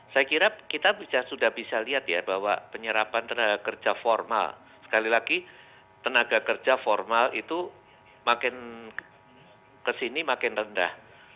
saya kira kita sudah bisa lihat ya bahwa penyerapan tenaga kerja formal sekali lagi tenaga kerja formal itu makin kesini makin rendah